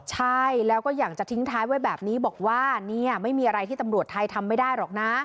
ใช่แล้วก็อยากจะทิ้งท้ายไว้แบบนี้บอกว่าเนี่ยไม่มีอะไรที่ตำรวจไทยทำไม่ได้หรอกนะ